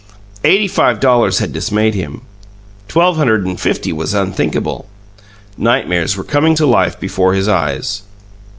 Eighty five dollars had dismayed him; twelve hundred and fifty was unthinkable. Nightmares were coming to life before his eyes.